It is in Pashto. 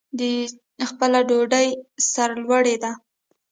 خپله ډوډۍ سرلوړي ده.